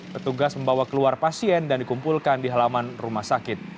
petugas membawa keluar pasien dan dikumpulkan di halaman rumah sakit